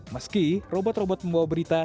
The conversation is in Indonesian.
meski robot robot membawa berita